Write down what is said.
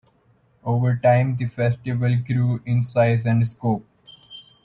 Over time the festival grew in size and scope.